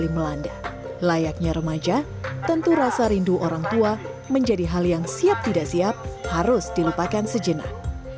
melanda layaknya remaja tentu rasa rindu orang tua menjadi hal yang siap tidak siap harus dilupakan sejenak